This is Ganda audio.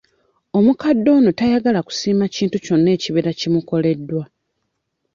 Omukadde ono tayagala kusiima kintu kyonna ekibeera kimukoleddwa.